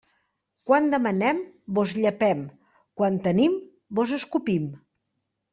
Quan demanem vos llepem; quan tenim, vos escopim.